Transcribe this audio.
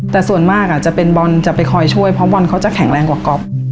แต่ส่วนมากจะเป็นบอลจะไปคอยช่วยเพราะบอลเขาจะแข็งแรงกว่าก๊อฟ